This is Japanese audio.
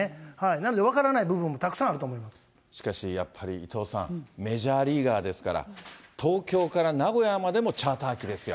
なので分からない部分もたくさんしかしやっぱり、伊藤さん、メジャーリーガーですから、東京から名古屋までもチャーター機ですよ。